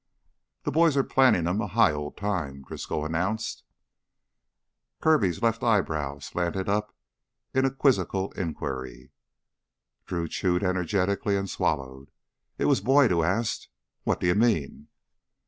"The boys are plannin' 'em a high old time," Driscoll announced. Kirby's left eyebrow slanted up in quizzical inquiry. Drew chewed energetically and swallowed. It was Boyd who asked, "What do you mean?"